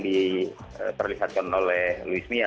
diperlihatkan oleh louis mia